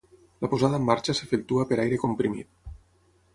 La posada en marxa s'efectua per aire comprimit.